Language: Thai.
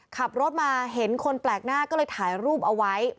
ขับรถมาเห็นคนแปลกหน้าก็เลยถ่ายรูปเอาไว้